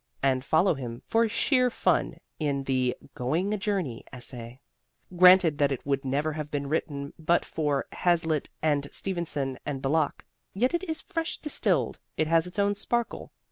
And follow him, for sheer fun, in the "Going a Journey" essay. Granted that it would never have been written but for Hazlitt and Stevenson and Belloc. Yet it is fresh distilled, it has its own sparkle.